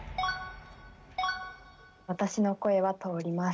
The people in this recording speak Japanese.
私の声は通ります。